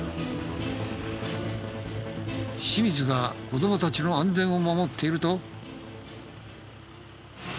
清水が子供たちの安全を守っていると。